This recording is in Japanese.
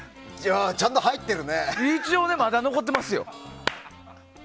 一応、まだ残ってますよ。